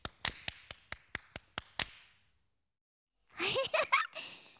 ハハハハ！